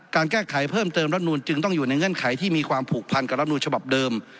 การแก้ไขเพิ่มเติมรัฐนูลจึงต้องอยู่ในเงื่อนไขที่มีความผูกพันกับรัฐนูลฉบับเดิม